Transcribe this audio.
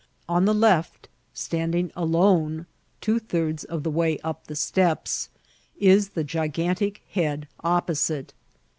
On the left, standing alone, two thirds of the way up the steps, is the gigan tic hemi opposite.